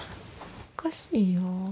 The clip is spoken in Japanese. おかしいよ。